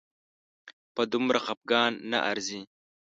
په دومره خپګان نه ارزي